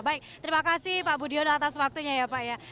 baik terima kasih pak budiono atas waktunya ya pak ya